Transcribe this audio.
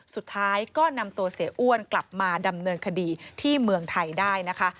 สุดท้ายก็นำตัวเสียอ้วนกลับมาดำเนินคดีที่เมืองไทยได้นะคะ